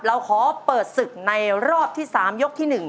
เราขอเปิดศึกในรอบที่๓ยกที่๑